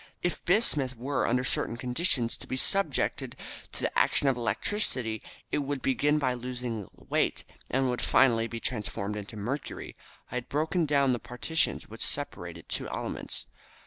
If bismuth were, under certain conditions, to be subjected to the action of electricity, it would begin by losing weight, and would finally be transformed into mercury. I had broken down the partition which separated two elements.